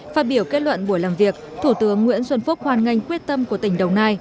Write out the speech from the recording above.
phát biểu kết luận buổi làm việc thủ tướng nguyễn xuân phúc hoan nghênh quyết tâm của tỉnh đồng nai